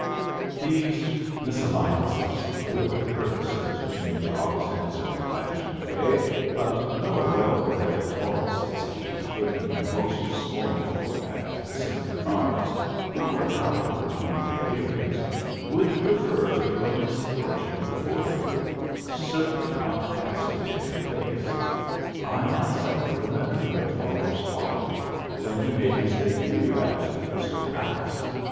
"These misalliances will occur," said Jimmy Jocks, in his old fashioned way; "but no well bred dog," says he, looking most scornful at the St. Bernards, who were howling behind the palings, "would refer to your misfortune before you, certainly not cast it in your face. I myself remember your father's father, when he made his début at the Crystal Palace.